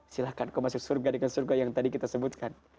silahkan kau masuk surga dengan surga yang tadi kita sebutkan